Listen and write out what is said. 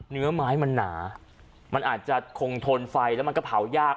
เนื้อไม้มันหนามันอาจจะคงทนไฟแล้วมันก็เผายาก